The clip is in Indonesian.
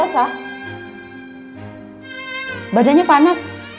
tidak ada yang bisa diberikan kepadanya